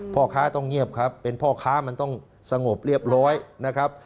พ่อค้าต้องเงียบครับเป็นพ่อค้ามันต้องสงบเรียบร้อยนะครับ